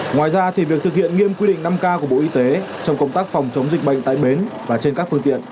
ngoài ra thì việc thực hiện nghiêm quy định năm k của bộ y tế trong công tác phòng chống dịch bệnh tại bến và trên các phương tiện